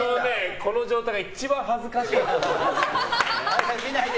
この状態が一番恥ずかしいんだよ。